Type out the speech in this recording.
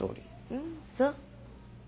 うんそう。